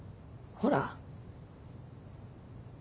ほら？